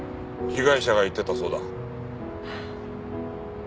被害者が言ってたそうだ。